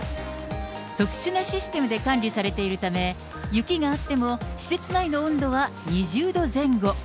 特殊なシステムで管理されているため、雪があっても施設内の温度は２０度前後。